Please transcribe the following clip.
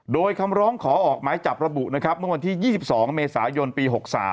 โดยคำร้องขอออกหมายจับระบุนะครับเมื่อวันที่๒๒เมษายนปี๖๓